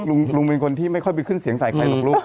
ลุงเป็นคนที่ไม่ค่อยไปขึ้นเสียงใส่ใครหรอกลูก